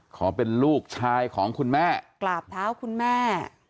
ขอเป็นลูกชายของคุณแม่กราบเท้าคุณแม่